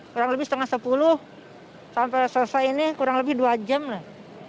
kurang lebih setengah sepuluh sampai selesai ini kurang lebih dua jam lah